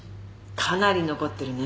かなり残ってるね。